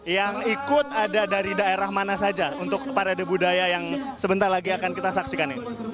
yang ikut ada dari daerah mana saja untuk parade budaya yang sebentar lagi akan kita saksikan ini